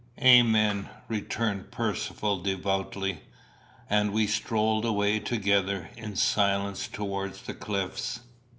"Amen," returned Percivale devoutly; and we strolled away together in silence towards the cliffs.